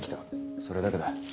それだけだ。